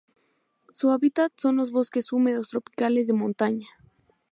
Su hábitat son los bosques húmedos tropicales de montaña.